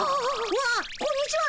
わっこんにちは。